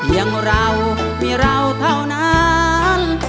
อย่างเรามีเราเท่านั้น